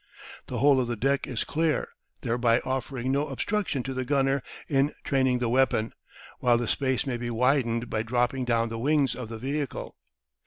The whole of the deck is clear, thereby offering no obstruction to the gunner in training the weapon, while the space may be widened by dropping down the wings of the vehicle.